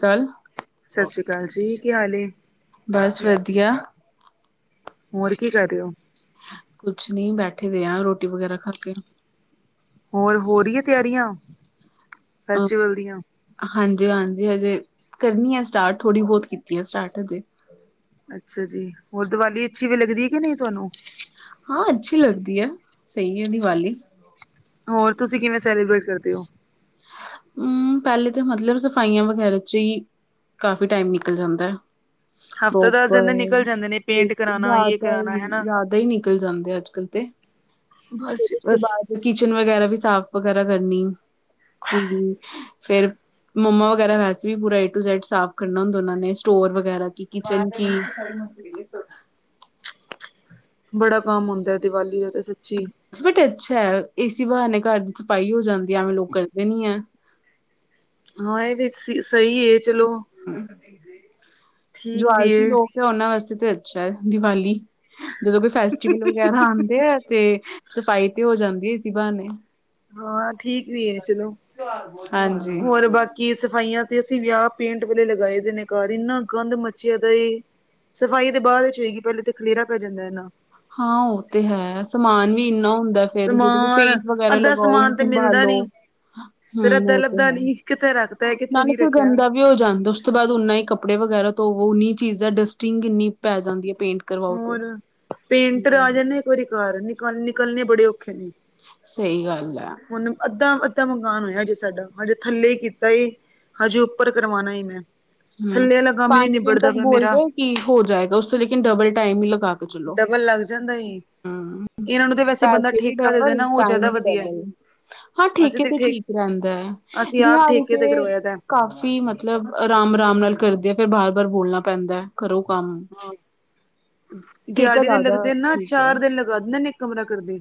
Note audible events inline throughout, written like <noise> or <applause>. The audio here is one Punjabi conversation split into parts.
ਕਲ। ਸਤਿ ਸ੍ਰੀ ਅਕਾਲ ਜੀ। ਕੀ ਹਾਲ ਏ? ਬਸ ਵਧੀਆ। ਹੋਰ ਕੀ ਕਰ ਰੇ ਓ? ਕੁਛ ਨੀ ਬੈਠੇ ਦੇ ਆ ਰੋਟੀ ਵਗੈਰਾ ਖਾ ਕੇ। ਹੋਰ ਹੋ ਰਿ ਏ ਤਿਆਰੀਆਂ ਅ ਫੈਸਟੀਵਲ ਦੀਆਂ? ਹਾਂਜੀ ਹਾਂਜੀ ਹਜੇ ਕਰਨੀ ਆ ਸਟਾਰਟ ਥੋੜੀ ਬਹੁਤ ਕੀਤੀ ਆ ਸਟਾਰਟ ਹਜੇ। ਅੱਛਾ ਜੀ। ਹੋਰ ਦੀਵਾਲੀ ਅੱਛੀ ਵੀ ਲੱਗਦੀ ਕਿ ਨਹੀਂ ਤੁਹਾਨੂੰ? ਹਾਂ ਅੱਛੀ ਲੱਗਦੀ ਐ ਸਹੀ ਏ ਦੀਵਾਲੀ। ਹੋਰ ਤੁਸੀਂ ਕਿਵੇਂ ਸੈਲੀਬ੍ਰੇਟ ਕਰਦੇ ਹੋ। ਹਮ ਪਹਿਲੇ ਤਾਂ ਮਤਲਬ ਸਫ਼ਾਈਆਂ ਵਗੈਰਾ ਚ ਹੀ ਕਾਫੀ ਟਾਈਮ ਨਿਕਲ ਜਾਂਦਾ। <inaudible> ਹਫ਼ਤਾ-ਦਸ ਦਿਨ ਪ੍ਰੋਪਰ ਦੇ ਨਿਕਲ ਜਾਂਦੇ ਨੇ ਪੇਂਟ ਕਰਾਣਾ ਯੇ ਜ਼ਿਆਦਾ ਕਰਾਣਾ ਹੈਨਾ। ਜ਼ਿਆਦਾ ਹੀ ਨਿਕਲ ਜਾਂਦੇ ਅੱਜ ਕੱਲ ਤੇ ਬਸ ਫਿਰ ਜੀ ਉਸ ਤੋਂ ਬਸ। ਬਾਅਦ ਕਿਚਨ ਵਗੈਰਾ ਵੀ ਸਾਫ਼ ਵਗੈਰਾ ਕਰਨੀ। ਹੂੰ। ਫੇਰ ਮੰਮਾ ਵਗੈਰਾ ਵੈਸੇ ਵੀ ਪੂਰਾ ਏ ਟੂ ਜੈਡ ਸਾਫ਼ ਕਰਨਾ ਹੁੰਦਾ ਏ ਸਟੋਰ ਵਗੈਰਾ ਕਿ ਕਿਚਨ ਕੀ ਬੜਾ ਕੰਮ ਹੁੰਦਾ ਦੀਵਾਲੀ ਦਾ ਤੇ ਸੱਚੀ। ਬਟ ਅੱਛਾ ਏਸੀ ਬਹਾਨੇ ਘਰ ਦੀ ਸਫ਼ਾਈ ਹੋ ਜਾਂਦੀ ਐ, ਐਵੇਂ ਲੋਕ ਕਰਦੇ ਨੀ ਐ। ਹਾਂ ਇਹ ਫ ਸਹੀ ਏ ਚਲੋ ਜੋ ਠੀਕ ਵੀ ਆਲਸੀ ਹੈ ਲੋਕ ਐ, ਉਹਨਾਂ ਵਾਸਤੇ ਤੇ ਅੱਛਾ ਐ ਦੀਵਾਲੀ। ਜਦੋਂ ਕੋਈ ਫੈਸਟੀਵਲ ਵਗੈਰਾ ਆਂਦੇ ਆ ਤੇ ਸਫ਼ਾਈ ਤੇ ਹੋ ਜਾਂਦੀ ਏ ਐਸੀ ਬਾਨੇ। ਹਾਂ ਠੀਕ ਵੀ ਐ ਚਲੋ, ਹਾਂਜੀ ਹੋਰ ਬਾਕੀ ਕਿ ਸਫਾਈਆਂ ਤੇ ਅਸੀਂ ਵਿਆਹ, ਪੇਂਟ ਵੇਲੇ ਲਗਾਏ ਦੇ ਨੇ ਘਰ ਇੰਨਾ ਗੰਦ ਮੱਚੀਆਂ ਦਾ ਏ। ਸਫ਼ਾਈ ਤੇ ਬਾਅਦ ਚ ਹੋਏਗੀ ਪਹਿਲੇ ਤੇ ਖਲੇਰਾ ਪੈ ਜਾਂਦਾ ਇਹਨਾ। ਹਾਂ ਓਹ ਤੇ ਹੈ ਸਮਾਨ ਵੀ ਇੰਨਾ ਹੁੰਦਾ ਫੇਰ ਜਦੋਂ ਵੀ ਸਮਾਨ ਪੇਂਟ ਵਗੈਰਾ ਅੱਧਾ ਲਗਾਓ ਓਹਨੂੰ ਸਮਾਨ ਤੇ ਮਿਲਦਾ ਸੰਭਾਲੋ। ਨੀ ਫੇਰ ਹਮ ਅੱਧਾ ਉਹ ਤੇ ਲੱਭਦਾ ਹੈ ਨੀ ਕਿੱਥੇ ਰੱਖਤਾ ਕਿੱਥੇ ਨਾਲੇ ਨੀ ਫਿਰ ਰੱਖਿਆ ਗੰਦਾ ਵੀ ਵੀ ਹੋ ਜਾਂਦਾ। ਉਸ ਤੋਂ ਬਾਅਦ ਓਨਾ ਹੀ ਕੱਪੜੇ ਵਗੈਰਾ ਤੋਂਵੋ ਓਨੀ ਚੀਜਾ ਡਸਟਿੰਗ ਇੰਨੀ ਪੈ ਜਾਂਦੀ ਏ ਪੇਂਟ ਕਰਵਾਓ ਤੋ। ਹੋਰ ਪੇਂਟਰ ਆ ਜਾਂਦੇ, ਇੱਕ ਵਾਰੀ ਘਰ ਨਿਕਲ ਨਿਕਲਨੇ ਬੜੇ ਔਖੇ ਨੇ। ਸਹੀ ਗੱਲ ਆ। ਹੁਨ ਅੱਧਾ-ਅੱਧਾ ਮਕਾਨ ਹੋਇਆ ਹਜੇ ਸਾਡਾ ਹਜੇ ਥੱਲੇ ਕੀਤਾ ਏ। ਹਜੇ ਉੱਪਰ ਕਰਵਾਨਾ ਏ ਮੈਂ, ਥੱਲੇ ਵਾਲਾ ਕੰਮ ਹੀ ਨਹੀਂ ਨਿਬੜਦਾ ਪਿਆ ਮੇਰਾ। ਕੀ ਹੋ ਜਾਏਗਾ, ਉਸ ਤੋਂ ਲੇਕਿਨ ਡਬਲ ਟਾਈਮ ਹੀ ਲਗਾ ਕੇ ਚਲੋ ਡਬਲ ਲੱਗ ਜਾਂਦਾ ਏ ਹਮ। ਇਹਨਾਂ ਨੂੰ ਤੇ ਵੈਸੇ ਬੰਦਾ ਪੈਸੇ ਵੀ ਠੇਕਾ ਦੇ ਦੇ ਡਬਲ, ਨਾ ਉਹ ਟਾਈਮ ਜ਼ਿਆਦਾ ਵੀ ਵਧੀਆ। ਡਬਲ। ਹਾਂ ਅਸੀਂ ਠੇਕੇ ਤੇ ਠੇ ਠੀਕ। ਰਹਿੰਦਾ ਏ, ਅਸੀਂ ਆਪ ਦਿਹਾੜੀ ਠੇਕੇ ਤੇ ਕਰਵਾਇਆ ਦਾ ਕਾਫ਼ੀ ਮਤਲਬ ਮਤਲਬ ਆਰਾਮ-ਆਰਾਮ ਨਾਲ ਕਰਦੇ ਆ ਫੇਰ ਬਾਰ-ਬਾਰ ਬੋਲਨਾ ਪੈਂਦਾ ਏ। ਕਰੋ ਕੰਮ। ਹਾਂ, ਠੀਕ ਆ ਦਿਹਾੜੀ ਦੇ ਜ਼ਿਆਦਾ ਲੱਗਦੇ ਨਾ ਠੀਕ ਹੈ ਚਾਰ ਦਿਨ ਲਗ ਵੱਧ ਇੱਕ ਕਮਰਾ ਕਰਦੇ,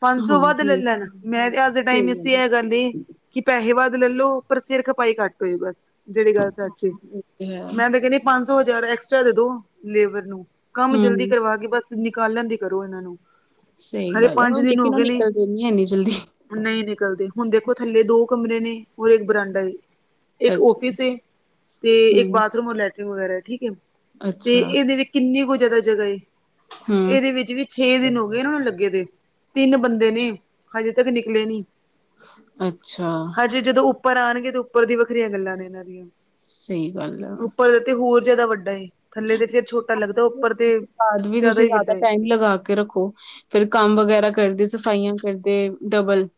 ਪੰਜ ਸੌ ਵੱਧ ਲੈ ਹਾਂਜੀ ਲੈਨ ਮੈਂ ਤੇ ਅੱਜ ਦੇ ਟਾਈਮ ਇਸ ਇਹ ਗੱਲ ਏ। ਕਿ ਪੈਸੇ ਵੱਦ ਲੈਲੋ ਪਰ ਸਿਰ ਖਪਾਈ ਘੱਟ ਹੋਏ ਬਸ ਜਿਹੜੀ ਗੱਲ ਸੱਚ, ਹੈ ਮੈਂ ਤੇ ਕਹਿੰਦੀ ਪੰਜ ਸੌ ਹਜ਼ਾਰ ਐਕਸਟਰਾ ਦੇ ਦੋ ਲੇਬਰ ਨੂੰ ਕੰਮ ਹਮ ਜਲਦੀ ਕਰਵਾ ਕੇ ਬਸ ਨਿਕਾਲਨ ਦੀ ਕਰੋ ਇਹਨਾਂ ਨੂੰ। ਸਹੀ ਹਲੇ ਗੱਲ ਐ ਪੰਜ ਹਾਂ ਦਿਨ ਹੋ ਲੇਕਿਨ ਓਹ ਗਏ ਨੇ ਨਿਕਲਦੇ ਨੀ ਇੰਨੀ ਜਲਦੀ। ਨਹੀਂ ਨਿਕਲਦੇ, ਹੁਨ ਦੇਖੋ ਥੱਲੇ ਦੋ ਕਮਰੇ ਨੇ ਹੋਰ ਇੱਕ ਬਰਾਂਡਾ ਏ। ਇੱਕ ਅੱਛਾ, ਓਫਿੱਸ ਏ ਤੇ ਇੱਕ ਹੂੰ, ਬਾਥਰੂਮ ਔਰ ਲੈਟਰਿਨ ਵਗੈਰਾ ਏ ਠੀਕ ਏ। ਤੇ ਅੱਛਾ, ਇਹਦੇ ਵਿੱਚ ਕਿੰਨੀ ਕੁ ਜਿਆਦਾ ਜਗ੍ਹਾ ਏ। ਹੂੰ, ਇਹਦੇ ਵਿੱਚ ਵੀ ਛੇ ਦਿਨ ਹੋ ਗਏ ਨੇ ਓਹਨਾ ਨੂੰ ਲੱਗੇ ਦੇ। ਤਿੰਨ ਬੰਦੇ ਨੇ ਹਜੇ ਤੱਕ ਨਿੱਕਲੇ ਨੀਂ। ਹ ਅੱਛਾ। ਜਦੋਂ ਉੱਪਰ ਆਣਗੇ ਤੇ ਉੱਪਰ ਦੀ ਵੱਖਰੀਆਂ ਗੱਲਾਂ ਨੇ ਇਹਨਾਂ ਦੀਆਂ। ਸਹੀ ਗੱਲ ਆ। ਉੱਪਰ ਤੇ ਹੋਰ ਜਿਆਦਾ ਵੱਡਾ ਏ ਥੱਲੇ ਤੇ ਫੇਰ ਛੋਟਾ ਲੱਗਦਾ ਏ ਉੱਪਰ ਤੇ ਜ਼ਿਆਦਾ ਈ ਵੱਡਾ ਏ। ਇਨ ਲਗਾ ਕ। ਤੇ ਰੱਖੋ ਫੇਰ, ਕੰਮ ਵਗੈਰਾ ਕਰਦੇ ਸਫਾਈਆਂ ਕਰਦੇ ਡਬੱਲ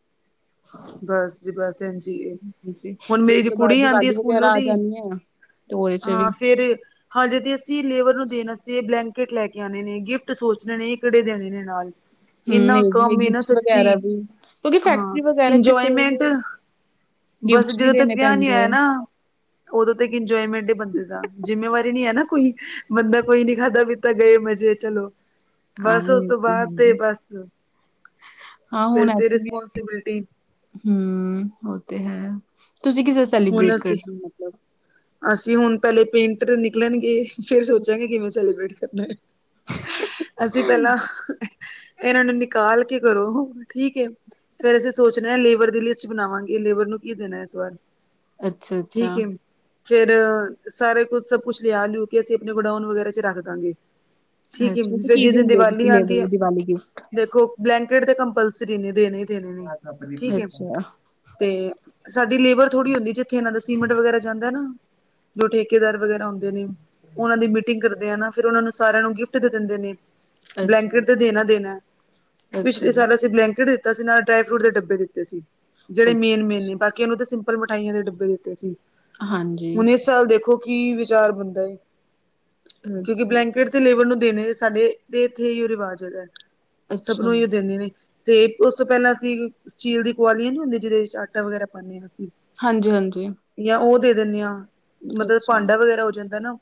ਬਸ ਜੀ, ਬਸ ਏਂਜੀ ਏ, ਹਾਂਜੀ, ਹੁਣ ਫਿਰ ਉਸ ਮੇਰੀ ਤੋਂ ਬਾਅਦ ਕੁੜੀ ਆਂਦੀ ਏ ਦੀਵਾਲੀ ਸਕੂਲੋਂ ਵਗੈਰਾ ਆ ਦੀ। ਜਾਣੀ ਐ। ਤੇ ਉਹਦੇ ਚ ਵੀ ਹਾਂ ਫੇਰ। ਹਜੇ ਤੇ ਅਸੀਂ ਲੇਬਰ ਨੂੰ ਦੇਣ ਅਸਤੇ ਬਲੈਂਕਟ ਲੈ ਕੇ ਆਣੇ ਨੇ ਗਿਫਟ ਸੋਚਨੇ ਨੇ ਕਿਹੜੇ ਦੇਨੇ ਨੇ ਨਾਲ। ਹੂੰ, ਇਹਨਾਂ ਇਹ ਵੀ ਕੰਮ ਏ ਨਾ ਗਿਫਟਸ ਸੱਚੀ ਵਗੈਰਾ ਵੀ ਕਿਉਂਕਿ ਹਾਂ। ਫੈਕਟਰੀ ਵਗੈਰਾ ਚ ਫਿਰ ਇੰਜੋਏਮੈਂਟ ਬਸ ਗਿਫਟਸ ਵੀ ਜਦੋਂ ਤੱਕ ਦੇਣੇ ਵਿਆਹ ਨੀ ਪੈਂਦੇ ਹੋਇਆ ਆ, ਨਾ। ਓਦੋਂ ਤੱਕ ਇੰਜੋਏਮੈਂਟ ਏ ਬੰਦੇ ਦਾ। ਜਿੰਮੇਵਾਰੀ ਨੀ ਐ ਨਾ, ਕੋਈ ਬੰਦਾ ਕੋਈ ਨੀ ਖਾਧਾ ਪੀਤਾ ਗਏ ਮਜ਼ੇ ਚਲੋ। ਹਾਂ ਬਸ ਉਸ ਇਹ ਤੋਂ ਬਾਅਦ ਤੇ ਹੈ। ਬਸ, ਫਿਰ ਤੇ ਰਿਸਪੋਂਸੀਬਿਲਟੀ। ਹਮ ਓਹ ਤੇ ਹੈ ਤੁਸੀਂ ਕਿਸ ਹੁਣ ਸੈਲੀਬ੍ਰੇਟ ਅਸੀਂ, ਕਰਦੇ ਹੋ ਮਤਲਬ? ਅਸੀਂ ਹੁਣ ਪਹਿਲੇ ਪੇਂਟਰ ਨਿਕਲਨਗੇ। ਫੇਰ ਸੋਚਾਂਗੇ ਕਿਵੇਂ ਸੈਲੀਬ੍ਰੇਟ ਕਰਨਾ ਏ, ਅਸੀਂ ਪਹਿਲਾਂ ਇਹਨਾਂ ਨੂੰ ਨਿਕਾਲ ਕੇ ਕਰੋ ਠੀਕ ਏ। ਫੇਰ ਅਸੀਂ ਸੋਚਨਾ ਏ ਲੇਬਰ ਦੀ ਲਿਸਟ ਬਨਾਵਾਂਗੇ ਲੇਬਰ ਨੂੰ ਕੀ ਦੇਨਾਂ ਇਸ ਵਾਰ ਅੱਛਾ-ਅੱਛਾ, ਠੀਕ ਏ। ਫੇਰ ਸਾਰੇ ਕੁਛ ਸਭ ਕੁਛ ਲਿਆ ਲਿਯ ਕੇ ਅਸੀਂ ਆਪਨੇ ਗੋਡਾਉਨ ਵਗੈਰਾ ਚ ਰੱਖ ਦਾਂਗੇ। ਅੱਛਾ ਠੀਕ ਏ ਤੁਸੀਂ ਫੇਰ ਕੀ ਜਿਸ ਦਿਨ ਦਿੰਦੇ ਹੋ ਦੀਵਾਲੀ ਤੁਸੀਂ ਲੇਬਰ ਆਂਦੀ ਹੈ ਨੂੰ ਦੀਵਾਲੀ ਗਿਫਟ? ਦੇਖੋ ਬਲੈਂਕੇਟ ਤੇ ਕੰਪੱਲਸਰੀ ਨੇ ਦੇਣੇ। ਤੇ ਮਮ ਠੀਕ ਹੈ ਅੱਛਾ, ਤੇ ਸਾਡੀ ਲੇਬਰ ਥੋੜੀ ਹੁੰਦੀ ਜਿੱਥੇ ਇਹਨਾਂ ਦਾ। ਸੀਮੰਟ ਵਗੈਰਾ ਜਾਂਦਾ ਐ ਨਾ ਜੋ ਠੇਕੇਦਾਰ ਵਗੈਰਾ ਹੁੰਦੇ ਨੇ। ਉਹਨਾਂ ਦੀ ਮੀਟਿੰਗ ਕਰਦੇ ਆਂ ਨਾ ਫੇਰ ਉਹਨਾਂ ਨੂੰ ਸਾਰਿਆਂ ਨੂੰ ਗਿੱਫਟ ਦੇ ਦਿੰਦੇ ਨੇ। ਅੱਛਾ, ਅੱਛਾ, ਬਲੈਂਕੇਟ ਤੇ ਦੇਨਾ ਦੇਨਾ ਐ, ਪਿਛਲੇ ਸਾਲ ਅਸੀਂ ਬਲੈਂਕੇਟ ਦਿ। ਤਾਂ ਅਸੀਂ ਨਾ ਡਰਾਈ ਫਰੂਟ ਦੇ ਡੱਬੇ ਦਿੱਤੇ ਸੀ ਜੇੜੇ ਮੇਨ-ਮੇਨ ਨੇ ਅੱਛਾ-ਅੱਛਾ ਬਾਕੀਆਂ ਨੂੰ ਤਾਂ ਸਿਮਪ। ਪਲ ਮਠਾਈਆਂ ਦੇ ਡੱਬੇ ਦਿੱਤੇ ਸੀ। ਹਾਂਜੀ। ਚੱਲ ਦੇਖੋ ਕੀ ਵਿਚਾਰ ਬੰਦਾ ਏ, ਕਿਉਂਕਿ ਅੱਛਾ, ਬਲੈਂਕਟ ਤੇ ਲੇਬਰ ਨੂੰ, ਦੇਣੇ ਸਾੱਡੇ ਦੇ ਇੱਥੇ, ਏਹੀਉ ਰਿਵਾਜ ਹੈਗਾ, ਸਭ ਅੱਛਾ ਨੂੰ ਹੀ ਉਹ ਦਿੰਦੇ ਨੇ। ਤੇ ਉਸ ਤੋਂ ਪਹਿਲਾਂ ਅਸੀਂ ਸਟੀਲ ਦੀ ਕਵਾਲੀਆਂ ਨੀ ਹੁੰਦੀਆਂ ਜਿਹਦੇ, ਵਿੱਚ ਆਟਾ ਵਗੈਰਾ ਪਾੱਦੇ ਆਂ ਅਸੀਂ। ਹਾਂਜੀ-ਹਾਂਜੀ। ਯਾਂ ਉਹ ਦੇ ਦਿੰਨੇ ਆਂ, ਮਤਲਬ ਅੱਛਾ। ਭਾਂਡਾ ਵਗੈਰਾ ਹੋ ਜਾਂਦਾ ਏ ਨਾ।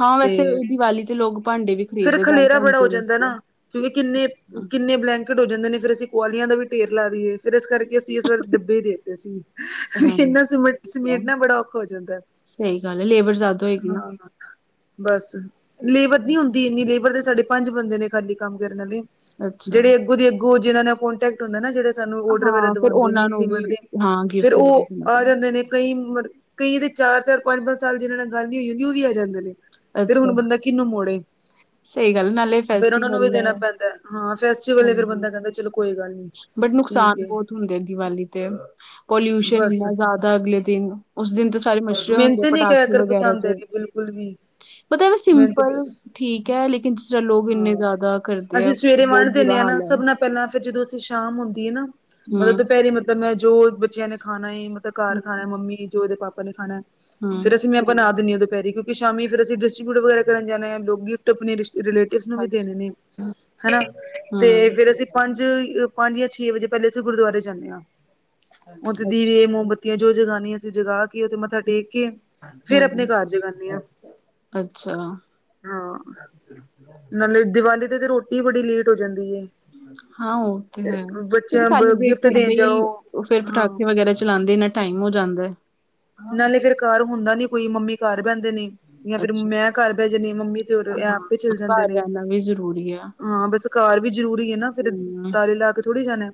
ਹਾਂ ਵੈਸੇ ਤੇ, ਦੀਵਾਲੀ ਤੇ ਲੋਕ ਭਾਂਡੇ ਵੀ ਫੇਰ ਖਰੀਦਦੇ ਦਾਨ ਖਲੇਰਾ ਬੜਾ ਹੋ ਧਨਤੇਰਸ ਜਾਂਦਾ ਏ ਤੇ। ਹਾਂ। ਨਾ, ਕਿਉਂਕਿ ਕਿੰਨੇ- ਕਿੰਨੇ ਬਲੈਂਕ। ਘੱਟ ਹੋ ਜਾਂਦੇ ਨੇ ਫੇਰ, ਅਸੀਂ ਕਵਾਲੀਆਂ ਦਾ ਵੀ ਢੇਰ ਲਾ ਦੀਏ, ਫੇਰ ਇਸ ਕਰਕੇ ਅਸੀਂ ਇਸ ਵਾਰ ਡੱਬੇ ਈ ਦੇਤੇ ਸੀ। ਹਹਇਹਨਾ, ਹਾਂਜੀ, ਸਮੇਟ ਠੀਕ ਹੈ ਸਮੇਟਨਾ ਬੜਾ ਔਖਾ ਹੋ ਜਾਂਦਾ ਹੈ ਸਹੀ ਗੱਲ ਹੈ ਲੇਬਰ ਜ਼ਿਆਦਾ ਹੋਏਗੀ ਨਾ। ਹਾਂ। ਬਸ, ਲੇਬਰ ਨੀ ਹਮ, ਹੁੰਦੀ ਇੰਨੀ ਲੇਬਰ ਤੇ ਸਾਡੇ ਪੰਜ ਬੰਦੇ ਨੇ ਖਾਲੀ ਕੰਮ ਕਰਨ ਆਲੇ। ਅੱਛਾ, ਜਿਹੜੇ ਅੱਗੋਂ ਦੀ ਅੱਗੋਂ ਜਿਨਾਂ ਨਾ ਕੋਨਟੈਕ ਹੁੰਦਾ ਐ ਨਾ ਜਿਹੜੇ ਸਾਨੂੰ ਔਡਰ ਵਗੈਰਾ ਹਾਂ ਫਿਰ ਦਵਾਂਦੇ ਉਹਨਾਂ ਨੇ ਨੂੰ ਵੀ ਸੀਮੰਟ ਦੇ, ਹਾਂ ਫੇਰ ਗਿਫਟ ਉਹ ਦੇਣਾ ਪੈਂਦਾ। ਤੇ ਨੇ ਕਈ ਵਾਰ ਕਈ ਤੇ ਚਾਰ-ਚਾਰ ਪੰਜ-ਪੰਜ ਸਾਲ ਜਿਹਨਾਂ ਨਾਲ ਗੱਲ ਨਈ ਹੋਈ ਹੁੰਦੀ ਉਹ ਵੀ ਆ ਜਾਂਦੇ ਨੇ। ਫੇਰ ਹੁਣ ਅੱਛਾ, ਬੰਦਾ ਕਿਹਨੂੰ ਮੋੜੇ। ਸਹੀ ਗੱਲ ਹੈ, ਨਾਲੇ ਫੇਰ ਉਹਨਾਂ ਨੂੰ ਫੈਸਟੀਵਲ ਵੀ ਹੈ ਦੇਣਾ ਪੈਂਦਾ ਐ, ਹਾਂ ਫੈੱਸਟੀਵਲ ਏ ਫੇਰ ਬੰਦਾ ਕਹਿੰਦਾ ਐ ਚੱਲੋ ਕੋਈ ਗੱਲ ਨੀ। ਬੱਟ ਠੀਕ ਨੁਕਸਾਨ ਏ ਬੋਤ ਹੁੰਦੇ ਏ ਦੀਵਾਲੀ ਤੇ। ਪੋਲਿਊਸ਼ਨ ਬਸ ਇੰਨਾ ਜ਼ਿਆਦਾ ਅਗਲੇ ਦਿਨ, ਉਸ ਦਿਨ ਤੇ ਸਾਰੇ ਮੱਛਰੇ ਹੁੰਦੇ ਏ ਪਟਾਖੇ ਵਗੈਰਾ ਚ। ਕੁਲਵੀ। ਪਤਾ ਏਵੇਂ ਸਿੰਪਲ ਠੀਕ ਐ, ਲੇਕਿਨ ਚਲੋ ਲੋਕ ਇੰਨੇ ਹਾਂ ਜ਼ਾਦਾ ਕਰਦੇ ਆ। ਅਸੀਂ ਸਵੇਰੇ ਬਹੁਤ ਵੰਡ ਬੁਰਾ ਦਿੰਦੇ ਆ ਨਾ, ਹਾਲ ਹੈ ਸਭਨਾ ਪਹਿਲਾਂ ਫੇਰ ਜਦੋਂ ਅਸੀਂ ਸ਼ਾਮ ਹੁੰਦੀਏ ਨਾ, ਮਤਲਬ ਹਮ ਦੁਪਹਿਰੀ ਮਤਲਬ ਮੈਂ ਜੋ ਬੱਚਿਆਂ ਨੇ ਖਾਣਾ ਏ ਤਾਂ ਘਰ ਖਾਣਾ ਏ ਮੰਮੀ, ਜੋ ਇਹਦੇ ਪਾਪਾ ਨੇ ਖਾਣਾ ਏ, ਹਮ ਫੇਰ ਅਸੀਂ ਮੈਂ ਬਣਾ ਦਿੰਦੇ ਹਾਂ ਦੁਪਹਿਰੇ, ਕਿਉਕਿ ਸ਼ਾਮੀਂ ਫਿਰ ਅਸੀਂ ਡਿਸਟਰੀਬਊਟ ਵਗੈਰਾ ਕਰਨ ਜਾਦੇ ਆ ਲੋਕ ਗਿਫਟ ਆਪਣੇ ਰਿਲੇ ਕਿਸਨੂੰ ਹਮ ਵੀ ਅੱਛਾ ਦੇਣੇ ਨੇ, ਹਨਾ ਤੇ ਫਿਰ ਅਸੀਂ ਪੰਜ, ਪੰਜ ਜਾਂ ਛੇ ਵਜੇ ਪਹਿਲੇ ਅਸੀਂ ਗੁਰਦੁਆਰੇ ਜਾਂਦੇ ਹਾਂ। ਉੱਥੇ ਦੀਵੇ ਮੋਮਬੱਤੀਆਂ ਜੋ ਜਗਾਣੀ ਅਸੀਂ ਜਗਾ ਕੇ, ਉਥੇ ਮੱਥਾ ਟੇਕ ਕੇ ਫਿਰ ਆਪਣੇ ਹਮ ਘਰ ਜਗਾਉਦੀਆ। ਅੱਛਾ। ਹਾਂ, ਨਾਲੇ ਦੀਵਾਲੀ ਤੇ-ਤੇ ਰੋਟੀ ਬੜੀ ਲੇਟ ਹੋ ਜਾਂਦੀ ਹੈ। ਹਾਂ ਉਹ ਤੇ ਫਿਰ ਹੈ। ਕਿਉਕਿ ਬੱਚਿਆਂ ਸੈਲੀਬ੍ਰੇਟ ਗਿਫਟ ਦੇਣ ਕਰਦੇ ਹੀ ਜਾਓ ਉਹ ਫੇਰ ਹਾਂ ਪਟਾੱਕੇੇ ਵਗੈਰਾ ਚਲਾਉਂਦੇ, ਇਹਨੇ ਟਾਈਮ ਹੋ ਜਾਂਦਾ ਏ। ਨਾਲੇ ਫੇਰ ਘਰ ਹੁੰਦਾ ਨਈਂ, ਕੋਈ ਮੰਮੀ ਘਰ ਬਹਿੰਦੇ ਨੇ। ਯਾਂ ਫੇਰ ਅੱਛਾ ਮੈਂ ਘਰ ਬੈ ਜਾਂਨੀ ਆਂ, ਮੰਮੀ ਤੇ ਹੋਰ ਇਹ ਆਪੇ ਈ ਹਾਂ ਚੱਲ ਜਾਂਦੇ ਘਰ ਨੇ। ਰਹਿਣਾ ਵੀ ਜ਼ਰੂਰੀ ਆ ਹਾਂ ਬਸ ਘਰ ਵੀ ਜ਼ਰੂਰੀ ਏ ਨਾ ਫੇਰ, ਹਮ ਤਾਲੇ ਲਾ ਕੇ ਥੋੜ੍ਹੀ ਜਾਣਾ।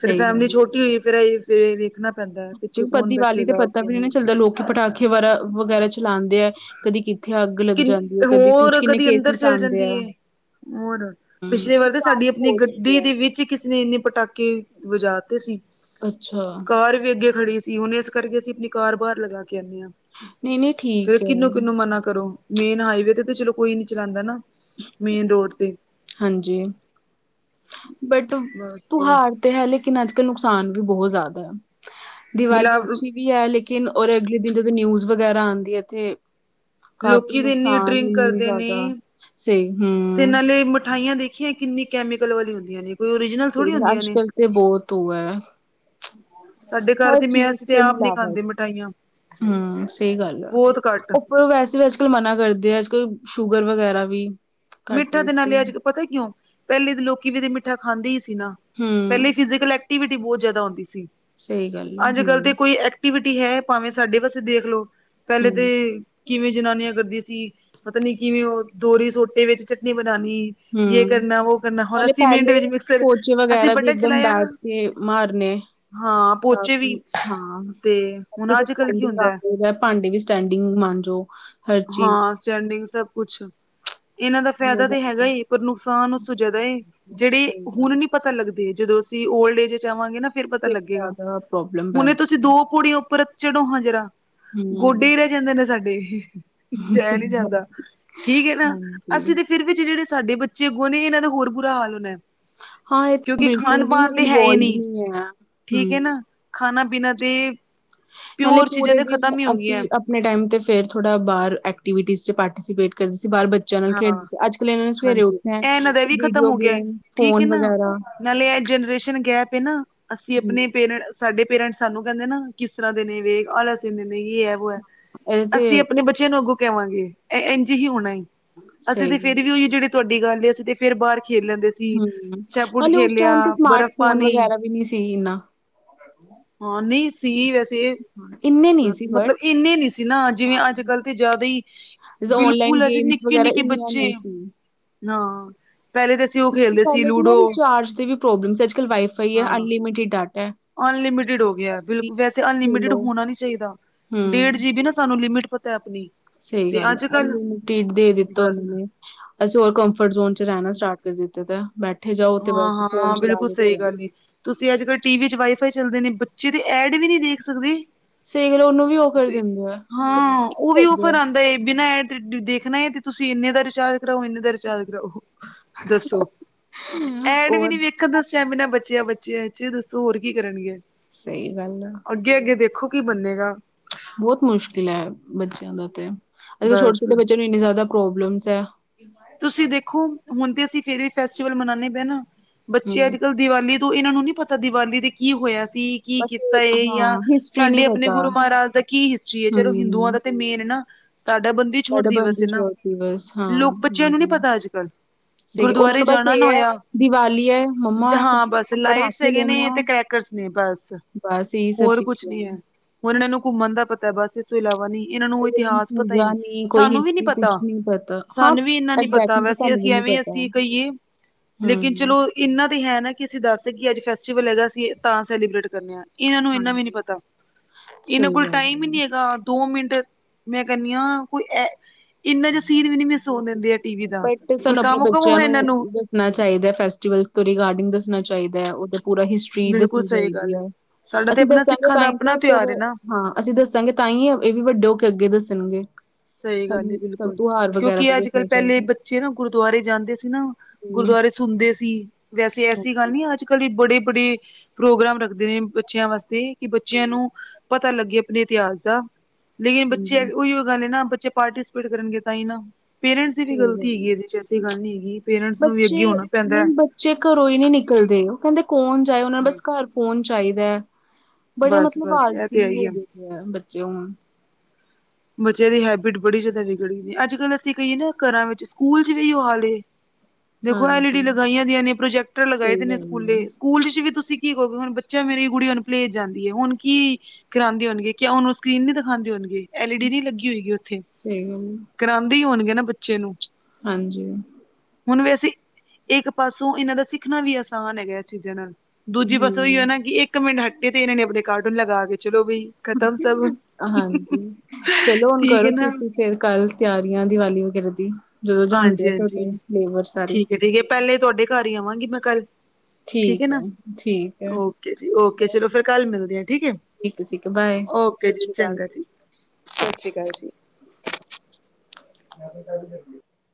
ਫੇਰ ਸਹੀ ਫੈਮਿਲੀ ਗੱਲ ਛੋਟੀ ਏ ਫੇਰ ਇਹ ਫੇਰ ਇਹ ਵੇਖਣਾ ਪੈਂਦਾ ਹੈ ਪਿੱਛੇ ਕਿਉਂਕਿ ਕੌਣ ਦੀਵਾਲੀ ਤੇ ਬੈਠੇਗਾ ਪਤਾ ਵੀ ਨਈ ਕੌਣ ਚੱਲਦਾ ਲੋਕੀ ਪਟਾਖੇ ਵਰਾ ਵਗੈਰਾ ਚਲਾਂਦੇ ਐ। ਕਦੀ ਕਿੱਥੇ ਅੱਗ ਲੱਗ ਕਿ ਜਾਂਦੀ ਏ ਕਦੀ ਕੁੱਛ ਹੋਰ ਕਿੰਨੇ ਕਦੀ ਅੰਦਰ ਕੇਸਿਸ ਚੱਲ ਆਂਦੇ ਜਾਂਦੀ ਆ। ਏ ਹੋਰ, ਹਮ ਪਿਛਲੇ ਵਾਰ ਤਾਂ ਸ਼ਾਮ ਸਾਡੀ ਨੂੰ ਆਪਣੀ ਗ ਬਹੁਤ ਡੀ ਹੁੰਦੇ ਦੇ ਆ ਵਿੱਚ ਹੀ ਕਿਸੇ ਨੇ ਇੰਨੇ ਪਟਾਕੇ ਵਜਾਤੇ ਸੀ। ਅੱਛਾ। ਕਾਰ ਵੀ ਅੱਗੇ ਖੜੀ ਸੀ ਹੁਣ ਏਸ ਕਰਕੇ ਅਸੀਂ ਅਪਨੀ ਕਾਰ ਬਾਹਰ ਲਗਾ ਕੇ ਆਂਨੇ ਆਂ। ਨਹੀਂ ਨਹੀਂ ਫੇਰ ਠੀਕ ਹੈ ਕਿਨੂੰ-ਕਿਨੂੰ ਮਨਾ ਕਰੋ। ਮੇਨ ਹਾਈਵੇ ਤੇ-ਤੇ ਚਲੋ ਕੋਈ ਨੀ ਚਲਾਂਦਾ ਨਾ, ਮੇਨ ਰੋਡ ਤੇ। ਹਾਂਜੀ ਬਟ ਬਸ ਤਿਉਹਾਰ ਤੇ ਹੈ, ਲੇਕਿਨ ਅੱਜ-ਕੱਲ੍ਹ ਨੁਕਸਾਨ ਵੀ ਬਹੁਤ ਜ਼ਿਆਦਾ ਹੈ। ਦੀਵਾਲੀ ਮਿਲਾ ਅੱਛੀ ਵੀ ਹੈ, ਲੇਕਿਨ ਔਰ ਅਗਲੇ ਦਿਨ ਜਦੋਂ ਨਿਊਜ਼ ਵਗੈਰਾ ਆਉਦੀ ਹੈ ਇੱਥੇ ਲੋਕੀ ਤਾਂ, ਇੰਨੀ ਡਰਿੰਕ ਇੰਨੀ ਕਰਦੇ ਨੇ। ਜ਼ਿਆਦਾ ਸਹੀ, ਹਮ। ਤੇ ਨਾਲੇ ਮਿਠਾਈਆਂ ਦੇਖੀਆਂ, ਕਿੰਨੀ ਕੈਮੀਕਲ ਵਾਲੀਆਂ ਹੁੰਦੀਆਂ ਨੇ। ਕੋਈ ਓਰੀਜਨਲ ਥੋੜ੍ਹੀ ਹੀ ਹੁੰਦੀਆਂ ਨੇ ਅੱਜਕਲ ਤੇ ਬਹੁਤ ਉਹ ਹੈ ਸਾਡੇ ਘਰ ਹਰ ਤੇ ਮੈਂ ਚੀਜ਼ ਅਸੀਂ ਤੇ ਚ ਆਪ ਨੀ ਮਿਲਾਵਟ ਖਾਂਦੇ ਮਿਠਾਈਆਂ ਹਮ ਸਹੀ ਗੱਲ ਆ ਬਹੁਤ ਘੱਟ ਪਰ ਉਹ ਵੈਸੇ ਵੀ ਅੱਜ- ਕੱਲ੍ਹ ਮਨਾ ਕਰਦੇ ਆ। ਅੱਜ- ਕੱਲ ਸ਼ੂਗਰ ਵਗੈਰਾ ਵੀ ਘੱਟ ਮਿੱਠਾ ਦੇ ਨਾਲੇ ਅੱਜ ਕਲ ਪਤਾ ਕਿਉਂ ਪਹਿਲੇ ਲੋਕੀ ਵੀ ਤਾਂ ਮਿੱਠਾ ਖਾਂਦੇ ਹੀ ਸੀ। ਪਹਿਲੇ ਹੂੰ, ਫਿਜੀਕਲ ਐਕਟੀਵਿਟੀ ਬਹੁਤ ਜ਼ਿਆਦਾ ਹੁੰਦੀ ਸੀ, ਸਹੀ ਗੱਲ ਆ ਅੱਜ ਹੂੰ, ਕੱਲ ਤੇ ਕੋਈ ਐਕਟੀਵਿਟੀ ਹੈ, ਭਾਵੇਂ ਸਾਡੇ ਵਾਸਤੇ ਦੇਖਲੋ, ਪਹਿਲੇ ਤੇ ਹੂੰ, ਕਿਵੇਂ ਜਨਾਨੀਆਂ ਕਰਦੀਆਂ ਸੀ ਪਤਾ ਨੀ ਕਿਵੇਂ ਉਹ ਦੋਹਰੀ ਸੋਟੇ ਵਿੱਚ ਚਟਨੀ ਬਣਾਣੀ ਹਮ ਹਲੇ ਪਹਿਲੇ ਵਿੱਚ ਮਿਕਸਰ ਕੋਚੇ ਅਸੀਂ ਵਗੈਰਾ ਵੀ ਬਟਨ ਇੱਕਦਮ ਚਲਾਇਆ ਬੈਠ ਕੇ ਮਾਰਨੇ ਹਾਂ ਸਾਫ ਪੋਚੇ ਵੀ ਤੇ ਹੁਣ ਅੱਜ ਕੱਲ <unintelligible> ਕੀ ਵੀ ਹੁੰਦਾ ਹੈ, ਹਾਂ ਭਾਂਡੇ ਵੀ ਸਟੈਂਡਿੰਗ ਮੰਜੋ। ਹਾਂ ਸਟੈਂਡਿੰਗ ਸਭ ਕੁਛ ਇਹਨਾਂ ਦਾ ਫਾਇਦਾ ਬਹੁਤ ਤੇ ਹੈਗਾ ਹੀ ਏ ਜ਼ਿਆਦਾ ਪਰ ਨੁਕਸਾਨ ਉਸ ਜ਼ਿਆਦਾ ਏ, ਜਿਹੜੇ ਸਹੀ ਹੁਣ ਗੱਲ ਨੀ ਪਤਾ ਲੱਗਦੇ, ਜਦੋਂ ਅਸੀਂ ਓਲਡ ਏਜ 'ਚ ਆਵਾਂਗੇ ਨਾ ਫਿਰ ਪਤਾ ਲੱਗੇਗਾ। ਜ਼ਿਆਦਾ ਪ੍ਰੋਬਲਮ ਹੁਣੇ ਪੈਂਦੀ ਤੁਸੀਂ ਦੋ ਪੌੜੀ ਉੱਪਰ ਚੜੋ ਹਾਂ ਜਰਾ ਗੋਡੇ ਹੂੰ, ਹੀ ਰਹਿ ਜਾਂਦੇ ਨੇ ਸਾਡੇ ਜਾਇਆ ਸਹੀ ਨਹੀਂ ਗੱਲ ਜਾਂਦਾ, ਠੀਕ ਹੈ ਨਾ, ਅਸੀਂ ਹਾਂਜੀ, ਤੇ ਫਿਰ ਵਿੱਚ ਜਿਹੜੇ ਸਾਡੇ ਬੱਚੇ ਅੱਗੋ, ਇਹਨਾਂ ਦਾ ਹੋਰ ਬੁਰਾ ਹਾਲ ਹੋਣਾ। ਹਾਂ ਇਹ ਤਾਂ ਕਿਉਂਕਿ ਖਾਣ ਬਿਲਕੁਲ ਵੀ ਪਾਨ ਤਾਂ ਹੈ ਇਨਵੋਲਵ ਨਹੀਂ, ਹੈ ਠੀਕ ਹੈ ਹੂੰ। ਨਾ। ਖਾਣਾ-ਪੀਣਾ ਤੇ ਪਹਿਲੇ ਪਿਓਰ ਚੀਜ਼ਾਂ ਪੂਰੇ ਤੇ ਦਿਨ ਖ਼ਤਮ ਹੀ ਹੋ ਅਸੀਂ ਗਈਆਂ ਆਪਣੇ ਟਾਈਮ 'ਤੇ ਫਿਰ ਥੋੜ੍ਹਾ ਬਾਹਰ ਐਕਟੀਵਿਟੀਜ਼ 'ਚ ਪਾਰਟੀਸੀਪੇਟ ਕਰਦੀ ਸੀ ਬਾਹਰ ਬੱਚ ਚੈਨਲ ਹਾਂ ਖੇਡਦੇ ਅੱਜ ਕਲ ਇਹਨਾਂ ਨੇ ਸਵੇਰੇ ਹਾਂਜੀ ਉੱਠਿਆ ਇਹ ਇਹਨਾਂ ਦਾ ਵੀ ਖ਼ਤਮ ਵੀਡੀਓ ਹੋ ਗਿਆ ਗੇਮ ਠੀਕ ਫੋਨ ਹੈ ਨਾ ਵਗੈਰਾ ਨਾਲੇ ਇਹ ਜਨਰੇਸ਼ਨ ਗੈਪ ਹੈ ਨਾ ਅਸੀਂ ਹੂੰ, ਆਪਣੇ ਪੇਰੈਂਟ ਸਾਡੇ ਪੇਰੈਂਟਸ ਸਾਨੂੰ ਕਹਿੰਦੇ ਨਾ ਕਿਸ ਤਰ੍ਹਾਂ ਦੇ ਨੇ ਵੇ ਆਲੱਸੀ ਨੇ ਯੇ ਹੈ ਇਹ ਤੇ ਅਸੀਂ ਆਪਣੇ ਬੱਚਿਆਂ ਨੂੰ ਅੱਗੋਂ ਕੇਵਾਂਗੇ ਇੰਝ ਹੀ ਹੋਣਾ ਅਸੀਂ ਸਹੀ ਤੇ ਫੇਰ ਗੱਲ ਹੈ। ਉਹੀ ਜਿਹੜੇ ਤੁਹਾਡੀ ਗੱਲ ਅਸੀਂ ਫਿਰ ਬਾਹਰ ਖੇਲ ਲੈਂਦੇ ਸੀ। ਹਮ ਸ਼ਾਹਪੁਟ ਕੇ ਉਸ ਖੇਲਿਆ ਟਾਈਮ ਤੇ ਸਮਾਰਟ ਬਰਫ਼ ਫੋਨ ਪਾਣੀ ਵਗੈਰਾ ਵੀ ਨਹੀਂੀ ਸੀ ਇਨਾ ਹਾਂ ਨਹੀਂ ਸੀ ਵੈਸੇ ਇੰਨੇ ਨਹੀਂ ਸੀ ਬਟ ਮਤਲਬ ਇੰਨੇ ਨੀ ਸੀ ਨਾ ਜਿਵੇਂ ਅੱਜ ਹਾਂ, ਕੱਲ੍ਹ ਤੇ ਜ਼ਿਆਦਾ ਹੀ ਔਨਲਾਈਨ ਬਿਲਕੁਲ ਅਜੇ ਗੇਮਸ ਨਿੱਕੇ ਵਗੈਰਾ ਨਿੱਕੇ ਇੰਨੀਆਂ ਨਹੀਂ ਬੱਚੇ ਸੀ। ਹਾਂ ਪਹਿਲੇ ਤਾਂ ਅਸੀਂ ਉਹ ਖੇਲਦੇ ਸੀ ਪਹਿਲੇ ਨਾ ਲੂਡੋ ਰਿਚਾਰਜ ਦੇ ਵੀ ਪ੍ਰੋਬਲਮ ਅੱਜ ਕੱਲ੍ਹ ਵਾਈਫਾਈ ਹੈ ਹਾਂ ਅਨਲਿਮਿਟਿਡ ਡਾਟਾ ਹੈ ਅਨਲਿਮਿਟਿਡ ਹੋ ਗਿਆ ਬਿਲਕੁਲ ਵੈਸੇ ਅਨਲਿਮਿਟਿਡ ਖੇਲੋ ਹੋਣਾ ਨ ਚਾਹੀਦਾ ਡੇਢ ਹੂੰ। ਜੀ ਵੀ ਨਾ ਸਾਨੂੰ ਲਿਮਿਟ ਪਤਾ ਹੈ ਆਪਣੀ ਸਹੀ ਤੇ ਗੱਲ ਹੈ। ਅੱਜ ਕੱਲ ਅਨਲਿਮਿਡ ਦੇ ਦਿੱਤਾ ਉਹਨਾਂ ਬਸ ਨੇ। ਅਸੀਂ ਹੋਰ ਕੰਫਰਟ ਜ਼ੋਨ 'ਚ ਰਹਿਣਾ ਸਟਾਰਟ ਕਰ ਦਿੱਤਾ ਦਾ ਬੈਕ ਹਾਂ -ਹਾਂ ਬਿਲਕੁਲ ਸਹੀ ਗੱਲ ਇ। ਤੁਸੀਂ ਅੱਜ ਕੱਲ ਟੀਵੀ ਚ ਵਾਈਫਾਈ ਚੱਲਦੇ ਨੇ ਬੱਚੇ ਦੇ ਐਡ ਵੀ ਨਹੀਂ ਦੇਖ ਸਕਦੇ ਸਹੀ ਗੱਲ ਉਹਨੂੰ ਵੀ ਉਹ ਕਰ ਦਿੰਦੇ ਆ, ਹਾਂ ਉਹ ਸਕਿਪ ਵੀ ਕਰਦੇ ਔਫਰ ਆ। ਆਉਂਦਾ ਏ ਬਿਨਾਂ ਤੇ ਦੇਖਣਾ ਹੈ ਤੇ ਤੁਸੀਂ ਇੰਨੇ ਦਾ ਰਿਚਾਰਜ ਕਰਾਓ, ਇੰਨੇ ਦਾ ਰਿਚਾਰਜ ਕਰਾਓ, ਦੱਸੋ। ਐਡ ਵੀ ਹੋਰ ਨੀ ਵੇਖਣ ਦਾ ਸਟੈਮੀਨਾ ਬਚਿਆ ਬੱਚਿਆਂ ਚ ਦੱਸੋ ਹੋਰ ਕੀ ਕਰਨਗੇ ਸਹੀ ਗੱਲ ਆ। ਅੱਗੇ -ਅੱਗੇ ਦੇਖੋ, ਕੀ ਬਣੇਗਾ। ਬਹੁਤ ਮੁਸ਼ਕਿਲ ਹੈ ਬੱਚਿਆਂ ਦਾ ਤੇ ਅੱਜ ਕਲ ਛੋਟੇ ਬਸ ਛੋਟੇ ਬੱਚਿਆਂ ਨੂੰ ਇੰਨੀ ਜ਼ਿਆਦਾ ਪ੍ਰੋਬਲਮਸ ਹੈ। ਤੁਸੀਂ ਦੇਖੋ, ਹੁਣ ਤੇ ਅਸੀਂ ਫੇਰ ਵੀ ਫੈਸਟੀਵਲ ਮਨਾਉਦੇ ਪਏ ਨਾ, ਬੱਚੇ ਅੱਜ ਹੂੰ। -ਕੱਲ ਦੀਵਾਲੀ ਤੋਂ ਇਹਨਾਂ ਨੂੰ ਨਹੀਂੀ ਪਤਾ ਦੀਵਾਲੀ ਦੇ ਕੀ ਹੋਇਆ ਸੀ ਕੀ ਬਸ ਇਹ ਕੀਤਾ ਏ ਜਾਂ ਹਾਂ, ਹਿਸਟਰੀ ਨੀ ਸਾਡੇ ਆਪਣੇ ਪਤਾ, ਗੁਰੂ ਮਹਾਰਾਜ ਦਾ ਕੀ ਹਿਸਟਰੀ ਹੈ ਚਲੋ ਹਿੰਦੂਆਂ ਹੂੰ। ਦਾ ਤੇ ਮੇਨ ਨਾ ਸਾਡਾ ਬੰਦੀ ਸਾਡਾ ਛੋੜਦੀ ਵਸੇ ਬੰਦੀ ਨਾ ਛੋੜ ਦਿਵਸ ਹਾਂ, ਲੋਕ ਬੱਚਿਆਂ ਨੂੰ ਨੀ ਹਾਂਜੀ। ਪਤਾ ਅੱਜ ਕੱਲ ਸਹੀ ਉਹਨਾਂ ਗੁਰਦੁਆਰੇ ਨੂੰ ਬਸ ਜਾਣਾ ਨਾ ਇਹ ਐ ਹੋਇਆ ਦੀਵਾਲੀ ਐ ਮੰਮਾ ਹਾਂ ਬਸ ਲਾਈਟਸ ਪਟਾਕੇ ਹੈਗੇ ਨੇ ਤੇ ਕਰੈਕਟ ੱਕਸਨੀ ਬਸ ਬਸ ਇਹੀ ਸਭ ਹੋਰ ਕੁਛ ਚੀਜ਼ਾਂ ਨੀ ਹੈ ਹੁਣ ਇਹਨਾਂ ਇਹ ਨੂੰ ਘੁੰਮਣ ਦਾ ਪਤਾ ਬਸ ਇਸ ਤੋਂ ਇਲਾਵਾ ਨੀ ਇਹਨਾਂ ਨੂੰ ਇਤਿਹਾਸ ਪਤਾ ਹੀ ਨਹੀਂ ਸਾਨੂੰ ਵੀ ਨੀ ਪਤਾ ਪਤਾ ਸਾਨੂੰ ਵੀ ਇਨਾ ਨੀ ਪਤਾ ਵੈਸੇ ਸਾਨੂੰ ਵੀ ਅਸੀਂ ਨਹੀਂ ਐਵੇਂ ਅਸੀਂ ਕਹੀਏ ਲੇਕਿਨ ਹੂੰ, ਚਲੋ ਇਨਾਂ ਤਾਂ ਹੈ ਨਾ ਕਿ ਅਸੀਂ ਦੱਸ ਸਕ ਕਿ ਅੱਜ ਫੈਸਟੀਵਲ ਹੈਗਾ ਅਸੀਂ ਤਾਂ ਸੈਲੀਬ੍ਰੇਟ ਕਰਦੇ ਹਾਂ ਇਹਨਾਂ ਨੂੰ ਇਨਾ ਵੀ ਨੀ ਹਾਂਜੀ, ਪਤਾ ਇਹਨਾਂ ਸਹੀ ਕੋਲ ਗੱਲ ਟਾਈਮ ਹੀ ਨੀ ਹੈ। ਹੈਗਾ ਦੋ ਮਿੰਟ ਮੈਂ ਕਹਨੀ ਹਾਂ ਕੋਈ ਇੰਨਾ ਜਿਹਾ ਸੀਨ ਵੀ ਨੀ ਮਿਸ ਸੋਣ ਦਿੰਦੇ ਆ ਟੀ ਵੀ ਦਾ ਬਟ ਕੋਈ ਸਾਨੂੰ ਆਪਣੇ ਕੰਮ ਕੁਮ ਬੱਚਿਆਂ ਹੋਆ ਇਹਨਾਂ ਨੂੰ ਦੱਸਣਾ ਚਾਹੀਦਾ ਫੈਸਟੀਵਲ ਤੋਂ ਰਿਗਾਰਡਿੰਗ ਦੱਸਣਾ ਚਾਹੀਦਾ ਹੈ ਉਹਦਾ ਪੂਰਾ ਹਿਸਟਰੀ ਫੀ ਬਿਲਕੁਲ ਦੱਸਣੀ ਸਹੀ ਚਾਹੀਦੀ ਗੱਲ ਹੈ ਸਾਡਾ ਤੇ ਅਸੀਂ ਆਪਣਾ ਦੱਸਾਂਗੇ ਸਿੱਖਾਂ ਦਾ ਟਾਈਮ ਆਪਣਾ ਤੇ ਫਿਰ ਤਿਉਹਾਰ ਹੈ ਨਾ ਹਾਂ ਅਸੀਂ ਦੱਸਾਂਗੇ ਤਾਂ ਹੀ ਇਹ ਵੀ ਵੱਡੇ ਹੋ ਕੇ ਅੱਗੇ ਦੱਸਣਗੇ ਸਹੀ ਗੱਲ ਸਾਨੂੰ ਸਭ ਬਿਲਕੁਲ ਤਿਉਹਾਰ ਵਗੈਰਾ ਤੇ ਕਿਉਂਕਿ ਅੱਜ ਕੱਲ ਦੱਸਣਾ ਪਹਿਲੇ ਚਾਹੀਦਾ। ਬੱਚੇ ਨਾ ਗੁਰਦੁਆਰੇ ਜਾਂਦੇ ਸੀ ਨਾ ਹੂੰ, ਗੁਰਦੁਆਰੇ ਸੁਣਦੇ ਸੀ ਵੈਸੇ ਐਸੀ ਗੱਲ ਹਾਂਜੀ, ਨਹੀਂੀ ਅੱਜ ਕੱਲ ਬੜੇ ਬੜੇ ਪ੍ਰੋਗਰਾਮ ਰੱਖਦੇ ਨੇ ਬੱਚਿਆਂ ਵਾਸਤੇ ਕਿ ਹਮ, ਬੱਚਿਆਂ ਨੂੰ ਪਤਾ ਲੱਗੇ ਆਪਣੇ ਇਤਿਹਾਸ ਦਾ ਲੇਕਿਨ ਬੱਚੇ ਹਾਂਜੀ, ਉਹੀ ਹੋ ਗੱਲ ਨੇ ਨਾ ਬੱਚੇ ਪਾਰਟੀਸਪੇਟ ਕਰਨਗੇ ਤਾਂ ਹੀ ਨਾ ਪੇਰੈਂਟਸ ਦੀ ਵੀ ਸਹੀ ਗੱਲ ਗ਼ਲਤੀ ਹੈ। ਹੈਗੀ ਇਹਦੇ ਚ ਐਸੀ ਗੱਲ ਨੀ ਹੈਗੀ ਪੇਰੈਂਟਸ ਨੂੰ ਵੀ ਅੱਗੇ ਬੱਚੇ ਹੋਉਣਾ ਨਹੀਂ ਪੈਂਦਾ ਹੈ ਬੱਚੇ ਘਰੋਂ ਹੀ ਨਹੀਂ ਨਿਕਲਦੇ ਉਹ ਕਹਿੰਦੇ ਕੌਣ ਜਾਏ ਉਹਨਾਂ ਨੂੰ ਬਸ ਘਰ ਫੋਣ ਚਾਹੀਦਾ ਬੜੇ ਬਸ ਮਤਲਬ ਬਸ ਆਾਰ ਇਹ ਤੇ ਸੀ ਹੈ ਹੀ ਹੋ ਆ। ਗਏ ਬੱਚੇ ਹੁਨ ਬੱਚਿਆਂ ਦੀ ਹੈਬਿਟ ਬੜੀ ਜ਼ਿਆਦਾ ਵਿਗੜ ਗਈ ਅੱਜ ਕੱਲ੍ਹ ਅਸੀਂ ਕਹੀਏ ਨਾ ਘਰਾਂ ਵਿੱਚ ਸਕੂਲ ਚ ਵੀ ਉਹ ਹਾਲੇ ਦੇਖੋ ਐਲ ਈ ਡੀ ਹਾਂਜੀ ਲਗਾਈਆਂ ਦੀਆਂ ਨੇ ਪ੍ਰੋਜੈਕਟਰ ਸਹੀ ਲਗਾਏ ਦੇ ਨੇ ਗੱਲ ਸਕੂਲੇ ਹੈ। ਸਕੂਲ ਚ ਵੀ ਤੁਸੀਂ ਕੀ ਕਹੋਗੇ ਹੁਣ ਬੱਚਾ ਮੇਰੀ ਗ ਕੁੜੀ ਅਣੁਪਲੇਜ ਜਾਂਦੀ ਹੈ ਹੁਣ ਕੀ ਕਰਾਉਂਦੇ ਹੋਣਗੇ ਕ ਉਹਨੂੰ ਸਕਰੀਨ ਨੀ ਦਿਖਾਉਂਦੇ ਹੋਣਗੇ ਐਲ ਈ ਡੀ ਨੀ ਲੱਗੀ ਹੋਏਗੀ ਉੱਥੇ ਸਹੀ ਗਲ ਅ ਕਰਾਂਦੇ ਹੀ ਹੋਣਗੇ ਨਾ ਬੱਚੇ ਨੂੰ ਹਾਂਜੀ ਹੁਣ ਵੈਸੇ ਇੱਕ ਪਾਸੋਂ ਇਹਨਾਂ ਦਾ ਸਿੱਖਣਾ ਵੀ ਆਸਾਨ ਹੈਗਾ ਚੀਜ਼ਾਂ ਨਾਲ ਦੂਜੀ ਪਾਸੇ ਹੀ ਹੈ ਹੂੰ ਨਾ ਕਿ ਇੱਕ ਮਿੰਟ ਹੱਟੇ ਤੇ ਇਹਨਾਂ ਨੇ ਆਪਣੇ ਕਾਰਟੂਨ ਲਗਾ ਕੇ ਚਲੋ ਬਈ ਖਤਮ ਸਭ ਹਾਂਜੀ ਚਲੋ ਹੁਣ ਠੀਕ ਕਰੋ ਹੈ ਨਾ ਤੁਸੀਂ ਫਿਰ ਕੱਲ ਤਿਆਰੀਆਂ ਦੀਵਾਲੀ ਵਗੈਰਾ ਦੀ ਜਦੋਂ ਜਾਂਦੇ ਆ ਹਾਂਜੀ ਫ ਉਦੋਂ ਹਾਂਜੀ ਲੇਬਰ ਸਾਰੀ ਠੀਕ ਹੈ ਠੀਕ ਹੈ ਪਹਿਲੇ ਤੁਹਾਡੇ ਘਰ ਹੀ ਆਵਾਂਗੀ ਮੈਂ ਕੱਲ ਠੀਕ ਹੈ ਨਾ ਜੀ ਓਕੇ ਚਲੋ ਫਿਰ ਕੱਲ ਮਿਲਦੇ ਆ ਠੀਕ ਹੈ ਠੀਕ ਹੈ ਠੀਕ ਹੈ ਬਾਏ ਓਕੇ ਸਤਿ ਜੀ ਸ੍ਰੀ ਅਕਾਲ ਚੰਗਾ ਜੀ ਸਤਿ ਸ੍ਰੀ ਅਕਾਲ ਜੀ ਮ ਕਾ ਚ